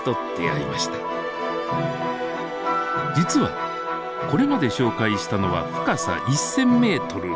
実はこれまで紹介したのは深さ１，０００メートルまで。